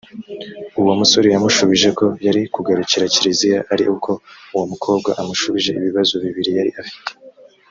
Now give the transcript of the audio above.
uwo musore yamushubije ko yari kugarukira kiliziya ari uko uwo mukobwa amushubije ibibazo bibiri yari afite